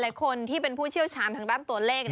คนที่เป็นผู้เชี่ยวชาญทางด้านตัวเลข